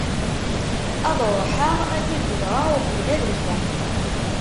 Ad ṛuḥeɣ ad t-id-ẓreɣ uqbel ad mmteɣ.